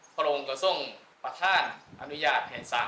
พระพุทธพิบูรณ์ท่านาภิรม